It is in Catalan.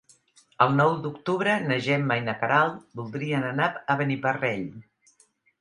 El nou d'octubre na Gemma i na Queralt voldrien anar a Beniparrell.